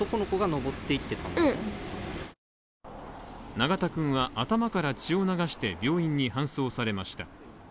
永田くんは頭から血を流して病院に搬送されました。